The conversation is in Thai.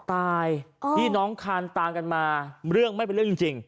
ตายพี่น้องคานตามกันมาเรื่องไม่เป็นเรื่องจริง